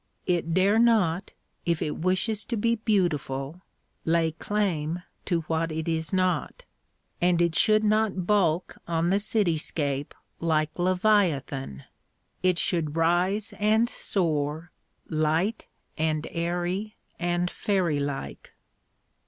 It dare not, if it wishes to be beautiful, lay claim to what it is not. And it should not bulk on the city scape like Leviathan; it should rise and soar, light and airy and fairylike.